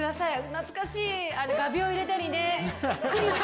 懐かしい、画びょう入れたりね。